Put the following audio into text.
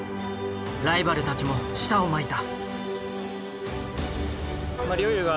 ライバルたちも舌を巻いた。